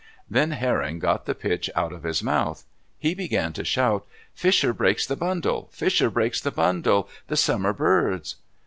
Then Herring got the pitch out of his mouth. He began to shout, "Fisher breaks the bundle! Fisher breaks the bundle! The Summer Birds!"